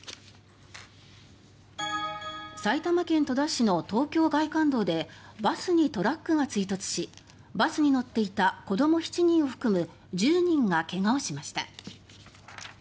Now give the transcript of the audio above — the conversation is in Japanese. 埼玉県戸田市の東京外環道でバスにトラックが追突しバスに乗っていた子ども７人を含む１０人が怪我をしました。